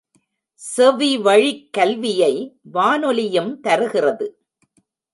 செவிவழிக் கல்வியை வானொலியும் தருகிறது.